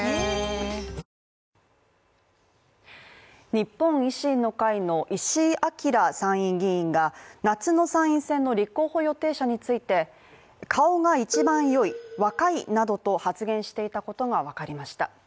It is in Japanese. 日本維新の会の石井章参院議員が、夏の参院選の立候補予定者について、顔が一番良い、若いなどと発言していたことがわかりました。